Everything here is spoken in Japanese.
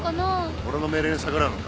俺の命令に逆らうのか？